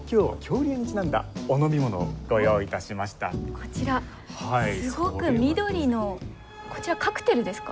こちらすごく緑のこちらカクテルですか？